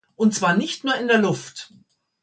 Und zwar nicht nur in der Luft.